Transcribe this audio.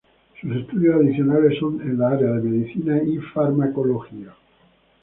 Sus estudios adicionales son en las áreas de medicina y farmacología.